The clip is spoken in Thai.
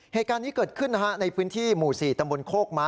เหตุการณ์นี้เกิดขึ้นนะฮะในพื้นที่หมู่๔ตำบลโคกม้า